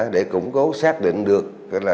để củng cố xác định được